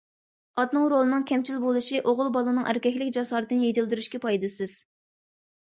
ئاتىنىڭ رولىنىڭ كەمچىل بولۇشى ئوغۇل بالىنىڭ ئەركەكلىك جاسارىتىنى يېتىلدۈرۈشكە پايدىسىز.